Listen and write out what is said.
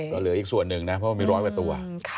ก็เหลืออีกส่วนหนึ่งนะเพราะว่ามีร้อยกว่าตัว